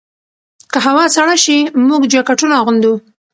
که هوا سړه شي، موږ جاکټونه اغوندو.